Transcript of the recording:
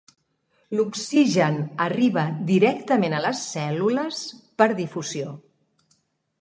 L'oxigen arriba directament a les cèl·lules per difusió.